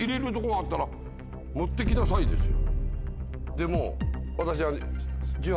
でも私はね。